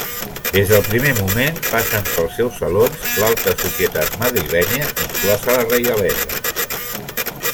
Des del primer moment passen pels seus salons l'alta societat madrilenya inclosa la reialesa.